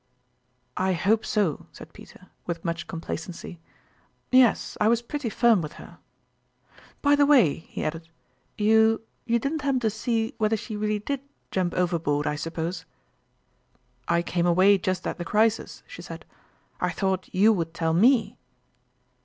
" I hope so, said Peter, with much com placency. " Yes, I was pretty firm with her ! By the way," he added, " you you didn't hap pen to see whether she really did jump over board, I suppose ?"" I came away just at the crisis," she said. " I thought you would tell me